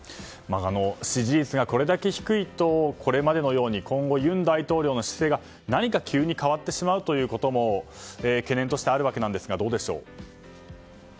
支持率がこれだけ低いとこれまでのように今後、尹大統領の姿勢が何か急に変わってしまうことも懸念としてあるわけですがどうでしょう？